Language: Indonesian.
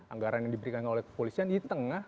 anggaran yang diberikan oleh kepolisian di tengah